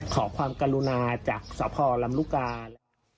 ขอความกรุณาจากสพลำลูกกา